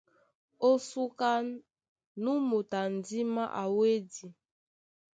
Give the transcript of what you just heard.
Ó súká, nú moto a ndímá a wédi.